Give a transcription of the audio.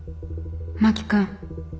真木君。